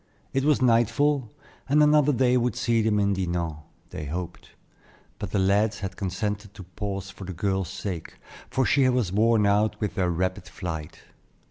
It was nightfall, and another day would see them in Dinan, they hoped; but the lads had consented to pause for the girl's sake, for she was worn out with their rapid flight.